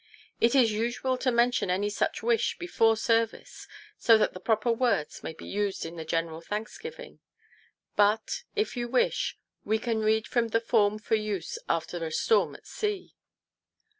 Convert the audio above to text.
It is usual to mention any such wish before service, so that the proper words may be used in the General Thanksgiving. But, if you wish, we can lead from the form for use after a storm at sea."